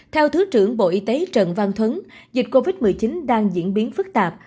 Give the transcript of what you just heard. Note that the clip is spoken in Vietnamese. theo thứ trưởng bộ y tế trần văn thuấn dịch covid một mươi chín đang diễn biến phức tạp